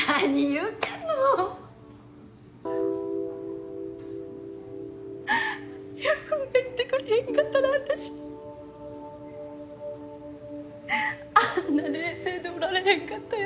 ううっ悠君がいてくれへんかったら私ううっあんな冷静でおられへんかったよ。